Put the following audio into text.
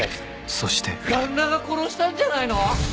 そして旦那が殺したんじゃないの？